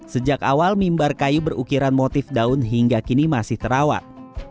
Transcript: sejak awal mimbar kayu berukiran motif daun hingga kini masih terawat